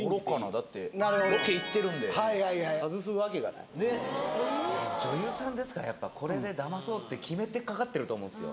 だってロケ行ってるんで女優さんですからやっぱこれでだまそうって決めてかかってると思うんすよ